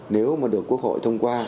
nếu mà được quốc hội thông qua